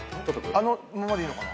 あのままでいいのかな？